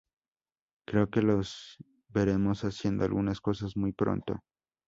Creo que lo veremos haciendo algunas cosas muy pronto.